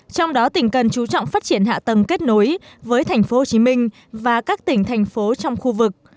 trong đó tỉnh cần chú trọng phát triển hạ tầng kết nối với thành phố hồ chí minh và các tỉnh thành phố trong khu vực